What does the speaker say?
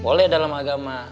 boleh dalam agama